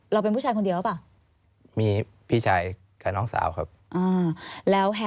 เราเป็นผู้ชายคนเดียวหรือเปล่า